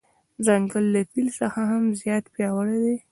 ځنګل له فیل څخه هم زیات پیاوړی دی.